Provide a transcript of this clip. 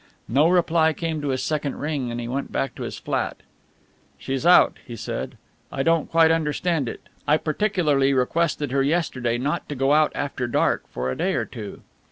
No reply came to his second ring, and he went back to his flat. "She's out," he said. "I don't quite understand it. I particularly requested her yesterday not to go out after dark for a day or two."